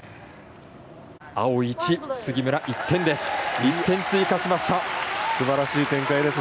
青１、杉村１点です。